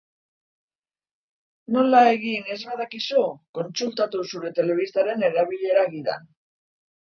Nola egin ez badakizu, kontsultatu zure telebistaren erabilera gidan.